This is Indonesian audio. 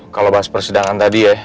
kalau bahas persidangan tadi ya